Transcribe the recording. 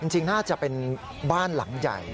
จริงน่าจะเป็นบ้านหลังใหญ่